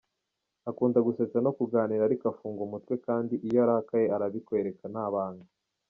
Akunda gusetsa no kuganira ariko afunga umutwe kandi iyo arakaye arabikwereka nta banga.